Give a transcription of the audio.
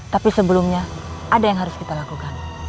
tapi sebelumnya ada yang harus kita lakukan